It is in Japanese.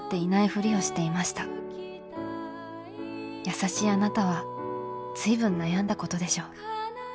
優しいあなたは随分悩んだことでしょう。